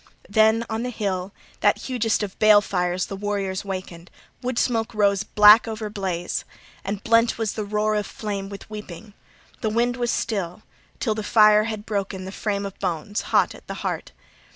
Then on the hill that hugest of balefires the warriors wakened. Wood smoke rose black over blaze, and blent was the roar of flame with weeping (the wind was still), till the fire had broken the frame of bones, hot at the heart.